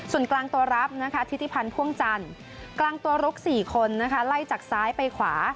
ส่วนกลางตัวรับนะคะทิติพันธ์พ่วงจันทร์กลางตัวลุก๔คนนะคะไล่จากซ้ายไปขวา